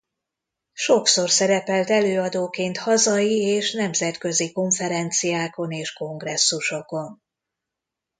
Sokszor szerepelt előadóként hazai és nemzetközi konferenciákon és kongresszusokon.